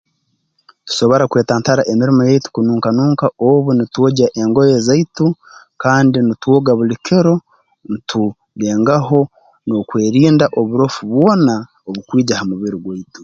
Tusobora kwetantara emirimo yaitu kununka nunka obu nitwogya engoye zaitu kandi nitwoga buli kiro ntu lengaho n'okwerinda oburofu bwona obukwija ha mubiri gwaitu